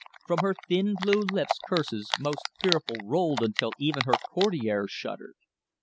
From her thin blue lips curses most fearful rolled until even her courtiers shuddered.